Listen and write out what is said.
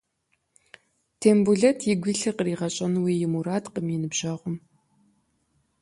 Тембулэт игу илъыр къригъэщӏэнуи и мурадкъым и ныбжьэгъум.